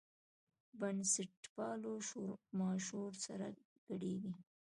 بنسټپالو شورماشور سره ګډېږي.